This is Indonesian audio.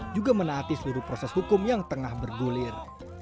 juga menaati seluruh proses hukum yang tengah bergulir